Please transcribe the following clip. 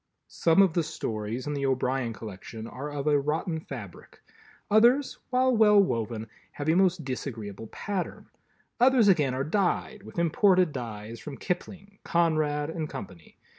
Some of the Stories in the O'Brien collection are of a rotten fabric, others, while well woven, have a most disagreeable pattern. Others again are dyed with imported dyes from Kipling, Conrad and Company.